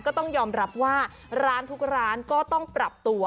ก็ต้องยอมรับว่าร้านทุกร้านก็ต้องปรับตัว